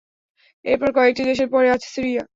এরপর কয়েকটি দেশের পরে আছে সিরিয়া।